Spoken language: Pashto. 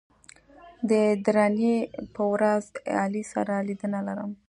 د درېنۍ په ورځ علي سره لیدنه لرم